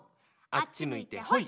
あっち向いてほい！